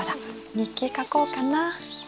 日記書こうかな。